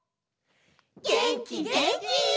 げんきげんき！